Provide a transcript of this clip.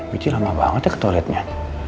kecil lama banget ya ke toiletnya